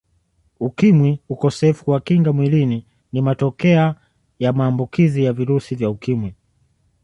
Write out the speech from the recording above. Ukimwi Ukosefu wa Kinga Mwilini ni matokea ya maambukizi ya virusi vya Ukimwi